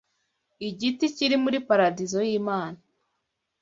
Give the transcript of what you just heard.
igiti, kiri muri Paradiso y’Imana